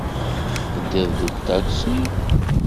Teddiḍ-d deg uṭaksi?